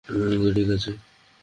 ওকে, ঠিকাছে।